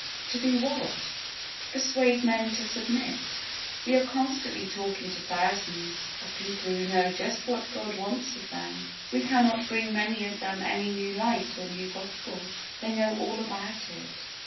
To do what? To persuade men to submit. We are constantly talking to thousands of people who know just what God wants of them. We cannot bring many of them any new light or new Gospel. They know all about it.